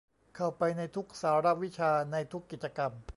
เข้าไปในทุกสาระวิชาในทุกกิจกรรม